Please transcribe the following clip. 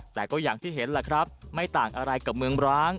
แต่ก็อย่างที่เห็นแหละครับไม่ต่างอะไรกับเมืองร้าง